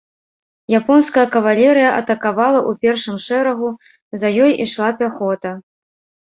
Японская кавалерыя атакавала ў першым шэрагу, за ёй ішла пяхота.